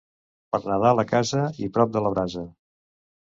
Per Nadal a casa i prop de la brasa.